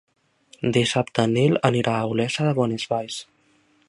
Dissabte en Nil anirà a Olesa de Bonesvalls.